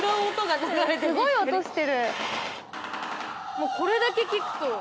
もうこれだけ聞くと。